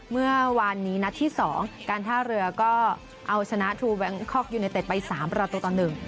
เมื่อวานนี้นัดที่สองการท่าเรือก็เอาชนะทูแบงคอกยูเนเต็ดไปสามประตูต่อหนึ่ง